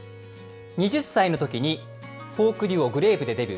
２０歳のときに、フォークデュオ、グレープでデビュー。